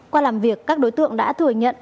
qua làm việc các đối tượng đã thừa nhận